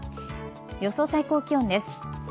予想最高気温です。